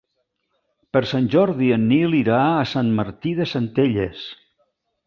Per Sant Jordi en Nil irà a Sant Martí de Centelles.